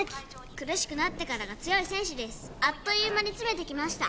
苦しくなってからが強い選手ですあっという間に詰めてきました